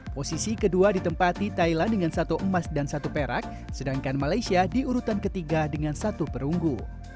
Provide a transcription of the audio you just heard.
posisi kedua ditempati thailand dengan satu emas dan satu perak sedangkan malaysia di urutan ketiga dengan satu perunggu